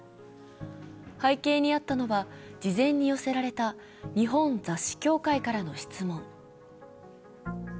背景にあったのは、事前に寄せられた日本雑誌協会からの質問。